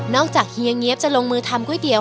นอกจากเฮียเหนียบจะลงมือทำกุ้ยเดียว